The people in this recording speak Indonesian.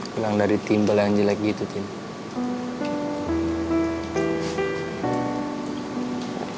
gelang dari timbel yang jelek gitu tini